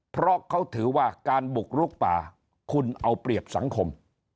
เพราะเขาถือว่าการบุกลุกป่าคุณเอาเปรียบสังคม